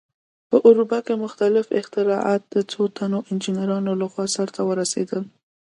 په اروپا کې مختلف اختراعات د څو تنو انجینرانو لخوا سرته ورسېدل.